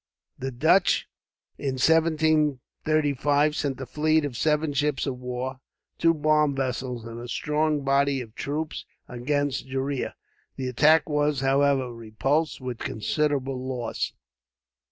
The Dutch, in 1735, sent a fleet of seven ships of war, two bomb vessels, and a strong body of troops against Gheriah. The attack was, however, repulsed with considerable loss.